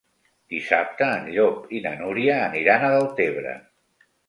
Dissabte en Llop i na Núria aniran a Deltebre.